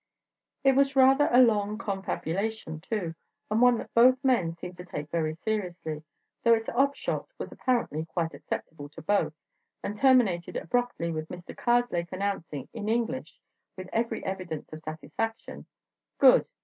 It was rather a long confabulation, too, and one that both men seemed to take very seriously—though its upshot was apparently quite acceptable to both—and terminated abruptly with Mr. Karslake announcing, in English, with every evidence of satisfaction: "Good!